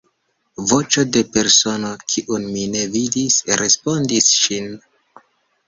Voĉo de persono, kiun mi ne vidis, respondis ŝin.